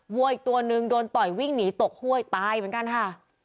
วัวอีกตัวนึงโดนต่อยวิ่งหนีตกห้วยตายเหมือนกันค่ะ